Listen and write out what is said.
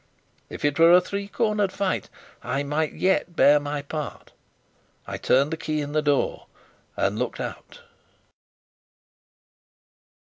If it were a three cornered fight, I might yet bear my part. I turned the key in the door and looked out.